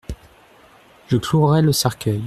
Je clouerai le cercueil.